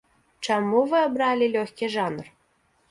Чаму вы абралі лёгкі жанр?